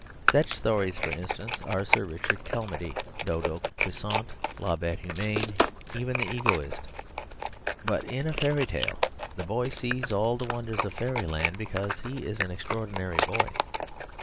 Such stories, for instance, are Sir Richard Calmady, Dodo, Quisante, La Bête Humaine, even the Egoist. But in a fairy tale the boy sees all the wonders of fairyland because he is an ordinary boy.